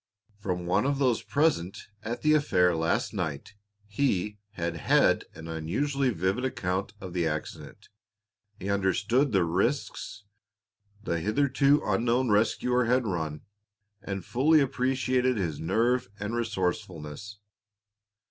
From one of those present at the affair last night he had had an unusually vivid account of the accident. He understood the risks the hitherto unknown rescuer had run, and fully appreciated his nerve and resourcefulness.